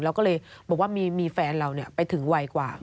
เราก็เลยบอกว่ามีแฟนเราไปถึงวัยกว่า